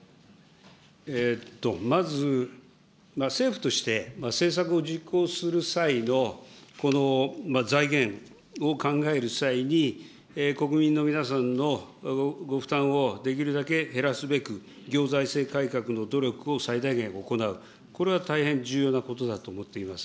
まず政府として政策を実行する際のこの財源を考える際に、国民の皆さんのご負担をできるだけ減らすべく、行財政改革の努力を最大限行う、これは大変重要なことだと思っています。